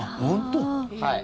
はい。